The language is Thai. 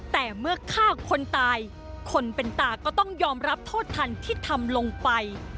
แต่เมื่อฆ่าคนตายคนเป็นตาก็ต้องยอมรับโทษทันที่ทำลงไป